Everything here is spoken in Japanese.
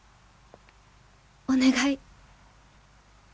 「お願い。